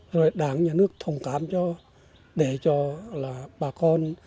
rồi đảng nhà nước thông cảm cho để cho là bà con